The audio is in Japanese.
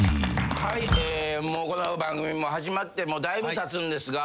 この番組も始まってもうだいぶたつんですが。